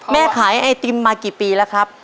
แม่ขายไอติมมากี่ปีแล้วครับ